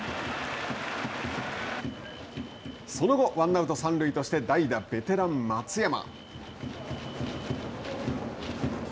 その後、ワンアウト、三塁として代打ベテラン松山。